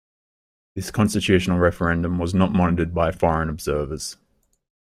This constitutional referendum was not monitored by foreign observers.